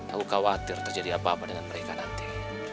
aku khawatir terjadi apa apa dengan mereka nanti